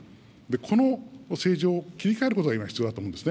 この政治を今、切り替えることが今、必要だと思うんです。